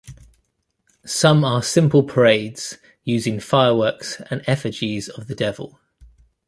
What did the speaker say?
Some are simple parades using fireworks and effigies of the devil.